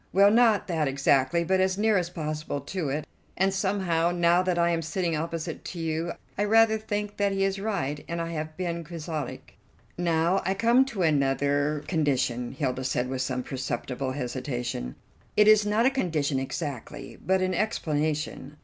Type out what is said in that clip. "Well, not that exactly, but as near as possible to it, and somehow, now that I am sitting opposite to you, I rather think that he is right, and I have been quixotic." "Now I come to another condition," Hilda said with some perceptible hesitation. "It is not a condition exactly, but an explanation.